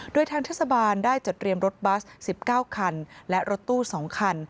โดยทางเทศบาลได้จัดเตรียมรถบัส๑๙คันและรถตู้๒คัน